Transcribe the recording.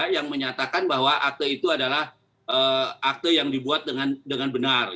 yang menyatakan bahwa akte itu adalah akte yang dibuat dengan benar